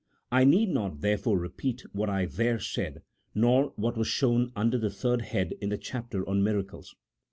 I need not, therefore, repeat what T there said, nor what was shown under the third head in the chapter on miracles.